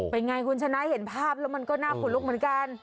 เป็นไงคุณชนะเห็นภาพแล้วมันก็น่าขนลุกเหมือนกัน